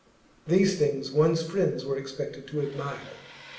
These things one's friends were expected to admire.